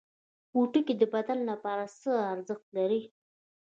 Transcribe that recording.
پوټکی د بدن لپاره څه ارزښت لري؟